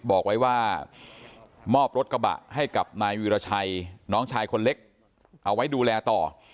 บอกไว้ว่ามอบรถกระบะให้กับนายวีรชัยน้องชายคนเล็กเอาไว้ดูแลต่อ